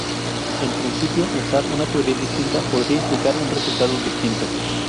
En principio usar una teoría distinta podría implicar un resultado distinto.